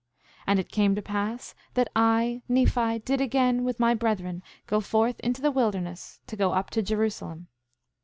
7:3 And it came to pass that I, Nephi, did again, with my brethren, go forth into the wilderness to go up to Jerusalem.